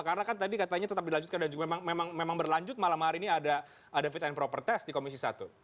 karena kan tadi katanya tetap dilanjutkan dan juga memang berlanjut malam hari ini ada fit and proper test di komisi satu